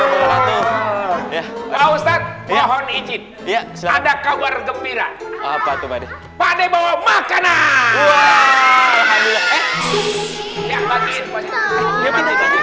maafkan ya mohon izin ya ada kabar gembira apa tuh pade pade bawa makanan